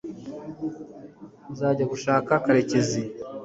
nzajya gushaka karekezi